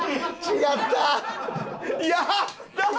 違った！